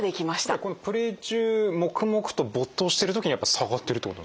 これはこのプレー中黙々と没頭してる時にやっぱり下がってるってことなんですかね。